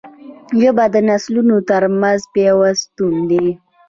ژبه د نسلونو ترمنځ پیوستون دی